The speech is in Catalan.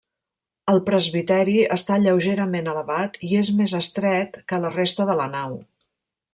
El presbiteri està lleugerament elevat i és més estret que la resta de la nau.